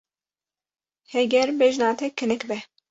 Heger bejna te kinik be.